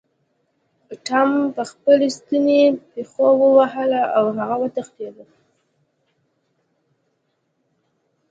ټام په خپلې ستنې پیشو ووهله او هغه وتښتیده.